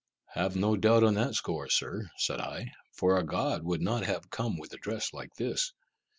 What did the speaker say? "Have no doubt on that score, Sir," said I, "for a god would not have come with a dress like this.